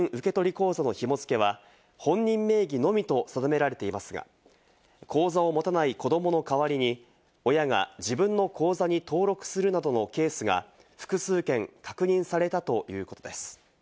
口座のひもづけは、本人名義のみと定められていますが、口座を持たない子どもの代わりに親が自分の口座に登録するなどのケースが複数件、確認されたということです。